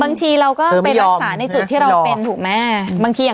บางทีเป็นรัศนาในจุดที่เราเป็นถูกมั้ย